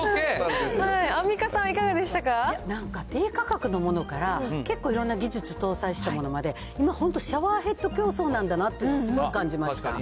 アンミカさん、いかがでしたなんか、低価格のものから結構いろんな技術搭載したものまで、今本当に、シャワーヘッド競争なんだなと、すごく感じました。